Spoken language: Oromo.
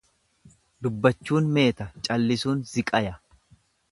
Dubbachuun meeta, callisuun ziqaya.